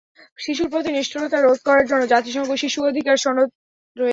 শিশুর প্রতি নিষ্ঠুরতা রোধ করার জন্য জাতিসংঘ শিশু অধিকার সনদ রয়েছে।